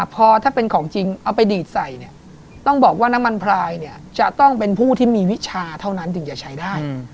พอถ้าเป็นของจริงเอาไปดีดใส่เนี่ยต้องบอกว่าน้ำมันพลายเนี่ยจะต้องเป็นผู้ที่มีวิชาเท่านั้นถึงจะใช้ได้